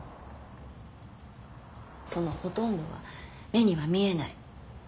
そのほとんどは目には見えない。